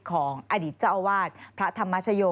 ของอดีตเจ้าอาวาสพระธรรมชโย